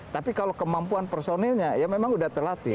tapi kalau kemampuan personilnya ya memang sudah terlatih